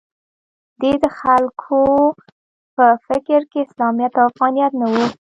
د دې خلکو په فکر کې اسلامیت او افغانیت نه و